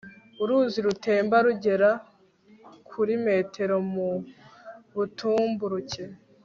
uruzi rutemba rugera kuri metero mu butumburuke